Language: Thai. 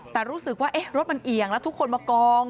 แต่รู้สึกว่ารถมันเอี่ยงแล้วทุกคนมากอง